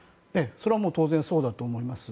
それは当然そうだと思います。